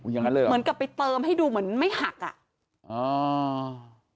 อย่างนั้นเลยเหรอเหมือนกับไปเติมให้ดูเหมือนไม่หักอ่ะอ่า